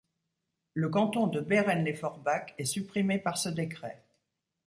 Le canton de Behren-lès-Forbach est supprimé par ce décret.